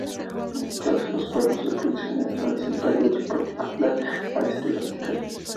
Se usan dos planos de proyección, uno horizontal y otro perpendicular a este, vertical.